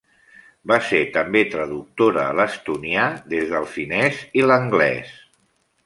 Va ser també traductora a l'estonià des del finés i l'anglés.